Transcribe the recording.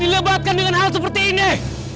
dilebatkan dengan hal seperti ini